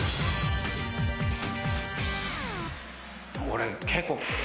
俺結構。